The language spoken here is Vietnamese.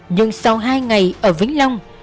nhưng sau hai ngày ở vĩnh long